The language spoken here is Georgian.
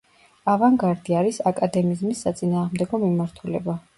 ავანგარდი არის აკადემიზმის საწინააღმდეგო მიმართულება.